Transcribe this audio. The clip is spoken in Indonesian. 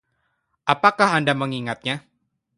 Apakah anda mengingatnya?